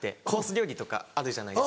料理とかあるじゃないですか。